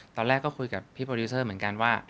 ตอนแรกก็คุยกับพี่โปรดิวเซอร์เหมือนกันว่า